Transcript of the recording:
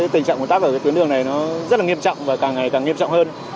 tình trạng của tắc ở tuyến đường này rất nghiêm trọng và càng ngày càng nghiêm trọng hơn